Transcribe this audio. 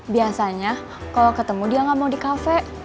biasanya kalo ketemu dia gak mau di cafe